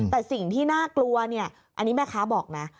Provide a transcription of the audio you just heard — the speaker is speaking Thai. แต่สิ่งที่น่ากลัวเนี่ยอันนี้แม่ค้าบอกนะ